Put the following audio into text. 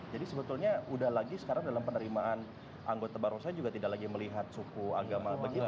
jadi sebetulnya udah lagi sekarang dalam penerimaan anggota barongsai juga tidak lagi melihat suku agama begitu ya